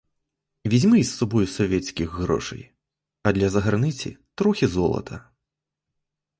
Візьми із собою совєтських грошей, а для заграниці — трохи золота.